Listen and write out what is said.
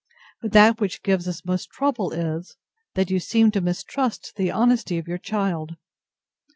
But that which gives me most trouble is, that you seem to mistrust the honesty of your child.